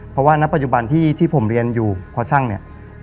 เพราะว่าณปัจจุบันที่ผมเรียนอยู่พอช่างเนี่ย